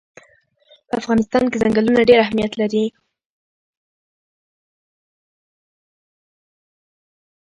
په افغانستان کې ځنګلونه ډېر اهمیت لري.